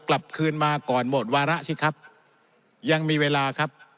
กลับคืนมาก่อนหมดวาระสิครับยังมีเวลาครับ